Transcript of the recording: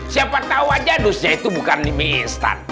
siapa tahu aja dusnya itu bukan mie instan